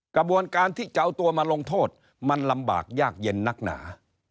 กระบวนการที่จะเอาตัวมาลงโทษมันลำบากยากเย็นนักหนา